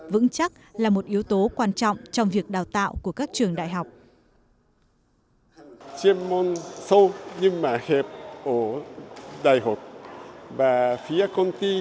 vững chắc là một yếu tố quan trọng trong việc đào tạo của các trường đại học